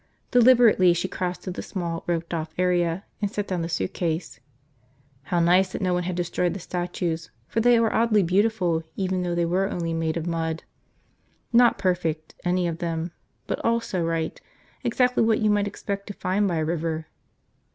Deliberately she crossed to the small, roped off area and set down the suitcase. How nice that no one had destroyed the statues, for they were oddly beautiful even though they were only made of mud. Not perfect, any of them, but all so right, exactly what you might expect to find by a river.